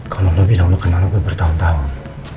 kalau lo tidak akan kenal gue bertahun tahun